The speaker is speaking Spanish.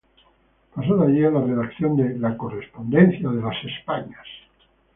Pasó de allí a la redacción de "La Correspondencia de España".